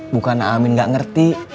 bukan amin nggak ngerti